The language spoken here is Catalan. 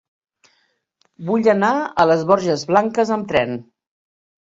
Vull anar a les Borges Blanques amb tren.